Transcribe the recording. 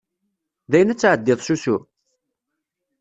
Dayen ad tɛeddiḍ s usu?